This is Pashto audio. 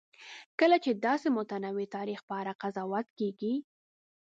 کله چې د داسې متنوع تاریخ په اړه قضاوت کېږي.